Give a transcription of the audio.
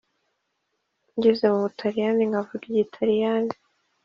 ngeze mu Butaliyani nkavuga igitaliyani